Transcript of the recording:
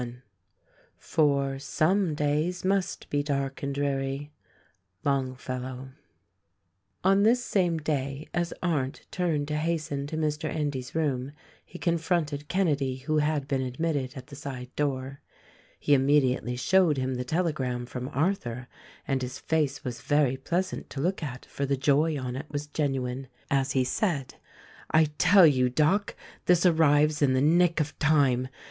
"For, Some days must be dark and dreary." — Longfellow. On this same day, as Arndt turned to hasten to Mr. Endy's room he confronted Kenedy who had been admitted at the side door. He immediately showed him the telegram from Arthur, and his face was very pleasant to look at, for the joy on it was genuine, as he said, "I tell you, Doc, this arrives in the nick of time.